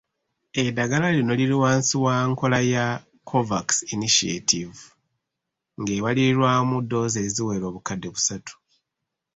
Eddagala lino liri wansi wa nkola ya COVAX Initiative ng'ebalirirwamu ddoozi eziwera obukadde busatu.